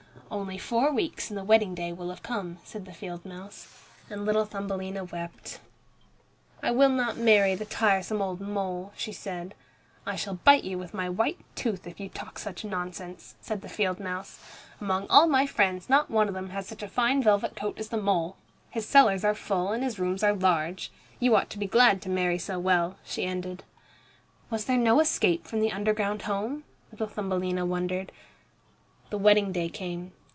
"Only four weeks and the wedding day will have come," said the field mouse. And little Thumbelina wept. "I will not marry the tiresome old mole," she said. "I shall bite you with my white tooth if you talk such nonsense," said the field mouse. "Among all my friends not one of them has such a fine velvet coat as the mole. His cellars are full and his rooms are large. You ought to be glad to marry so well," she ended. "Was there no escape from the underground home?" little Thumbelina wondered. The wedding day came.